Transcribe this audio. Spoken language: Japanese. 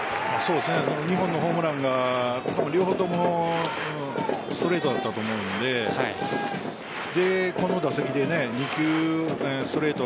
２本のホームランが多分両方ともストレートだったと思うのでそれでこの打席で２球ストレート